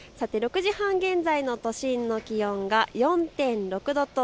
６時半現在の都心の気温が４．６度。